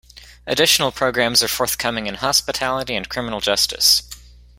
Additional programs are forthcoming in Hospitality and Criminal Justice.